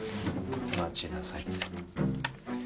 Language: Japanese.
待ちなさいって。